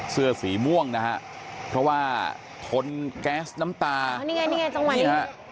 เสื้อสีม่วงนะฮะเพราะว่าทนแก๊สน้ำตาอ๋อนี่ไงนี่ไงตรงวัน